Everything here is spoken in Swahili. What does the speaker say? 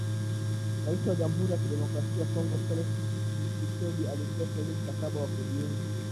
Raisi wa jamuhuri ya kidemokrasia ya Kongo Felix Tchisekedi alitia saini mkataba wa kujiunga